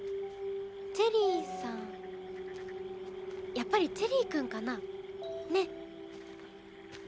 やっぱりチェリーくんかな。ね？